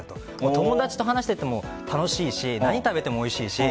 友達と話していても楽しいし何食べてもおいしいし。